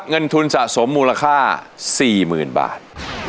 เงินทุนสะสมมูลค่า๔๐๐๐บาท